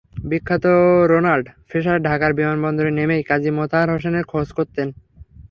বিখ্যাত Ronald Fisher ঢাকার বিমানবন্দরে নেমেই কাজী মোতাহার হোসেনের খোঁজ করতেন।